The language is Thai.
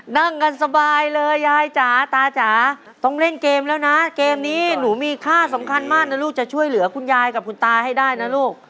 นั่งกันสบายเลยยายจ๋าตาจ๋าต้องเล่นเกมแล้วนะเกมนี้หนูมีค่าสำคัญมากนะลูกจะช่วยเหลือคุณยายกับคุณตาให้ได้นะลูก